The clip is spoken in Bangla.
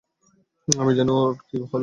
আমি জানি না ওর কী হলো।